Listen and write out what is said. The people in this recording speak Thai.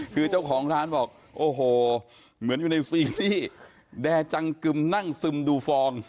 คือเจ้าของร้านบอกโอ้โหเหมือนอยู่ในซีรีส์แด่จังกึมนั่งซึมดูฟอง